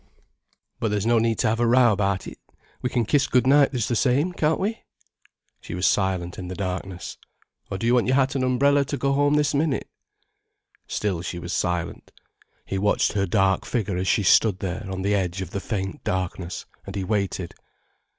"But there's no need to have a row about it. We can kiss good night just the same, can't we?" She was silent in the darkness. "Or do you want your hat and umbrella to go home this minute?" Still she was silent. He watched her dark figure as she stood there on the edge of the faint darkness, and he waited.